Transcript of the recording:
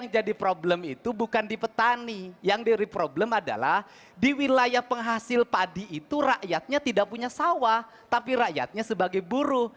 jadi problem itu bukan di petani yang dari problem adalah di wilayah penghasil padi itu rakyatnya tidak punya sawah tapi rakyatnya sebagai buruh